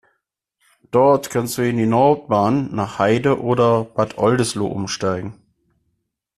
Dort kannst du in die Nordbahn nach Heide oder Bad Oldesloe umsteigen.